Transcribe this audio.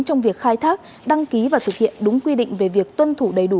trong việc khai thác đăng ký và thực hiện đúng quy định về việc tuân thủ đầy đủ